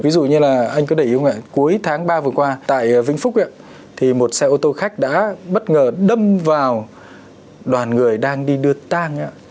ví dụ như là anh có để ý không ạ cuối tháng ba vừa qua tại vĩnh phúc ạ thì một xe ô tô khách đã bất ngờ đâm vào đoàn người đang đi đưa tang ạ